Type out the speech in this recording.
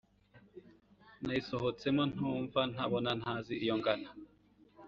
Nayisohotsemo ntumva ntabona ntazi iyo ngana